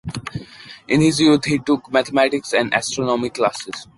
In his youth, he took mathematics and astronomy classes.